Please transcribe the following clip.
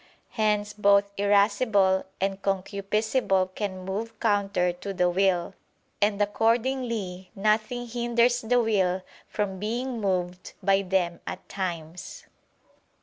Hence both irascible and concupiscible can move counter to the will: and accordingly nothing hinders the will from being moved by them at times.